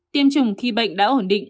tiêm chủng khi bệnh đã ổn định